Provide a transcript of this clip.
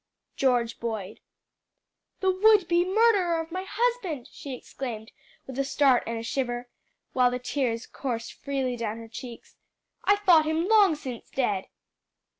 "George Boyd." "The would be murderer of my husband!" she exclaimed, with a start and shiver, while the tears coursed freely down her cheeks. "I thought him long since dead."